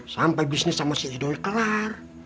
sampai bisnis sama si idol kelar